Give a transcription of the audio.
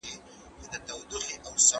ما به د شپې له خوا لالټین روښانه کاوه.